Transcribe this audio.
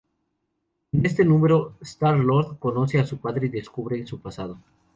En este número, Star-Lord conoce a su padre y descubre su pasado.